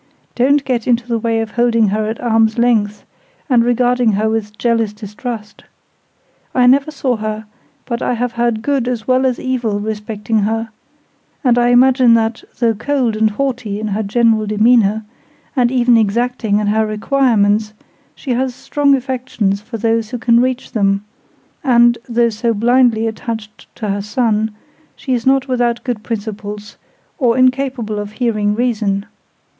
Don't get into the way of holding her at arms' length, and regarding her with jealous distrust. I never saw her, but I have heard good as well as evil respecting her; and I imagine that, though cold and haughty in her general demeanour, and even exacting in her requirements, she has strong affections for those who can reach them; and, though so blindly attached to her son, she is not without good principles, or incapable of hearing reason.